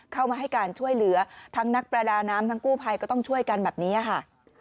เข้ามาให้การช่วยเหลือทั้งนักประดาน้ำทั้งกู้ภัยก็ต้องช่วยกันแบบนี้ค่ะ